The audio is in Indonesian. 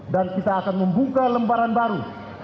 dan kita akan membuka lembaran baru